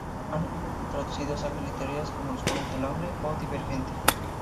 Ha traducido sagas literarias como "Los juegos del hambre" o "Divergente".